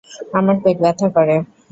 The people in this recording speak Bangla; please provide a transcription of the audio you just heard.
আমার পেট ব্যথা করে।